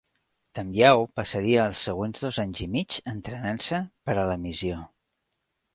Tamyao passaria els següents dos anys i mig entrenant-se per a la missió.